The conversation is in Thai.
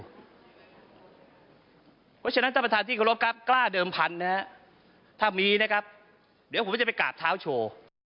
เพราะฉะนั้นท่านประธานที่เคารพครับกล้าเดิมพันธุ์นะฮะถ้ามีนะครับเดี๋ยวผมจะไปกราบเท้าโชว์